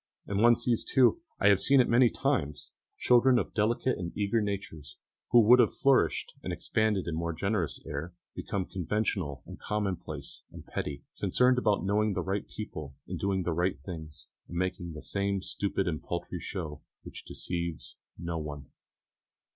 And one sees too I have seen it many times children of delicate and eager natures, who would have flourished and expanded in more generous air, become conventional and commonplace and petty, concerned about knowing the right people and doing the right things, and making the same stupid and paltry show, which deceives no one.